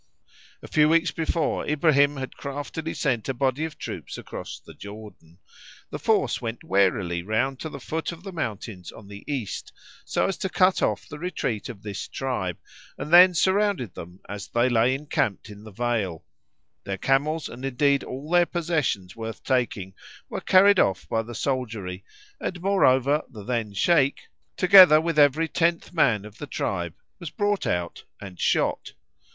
A few weeks before Ibrahim had craftily sent a body of troops across the Jordan. The force went warily round to the foot of the mountains on the east, so as to cut off the retreat of this tribe, and then surrounded them as they lay encamped in the vale; their camels, and indeed all their possessions worth taking, were carried off by the soldiery, and moreover the then Sheik, together with every tenth man of the tribe, was brought out and shot.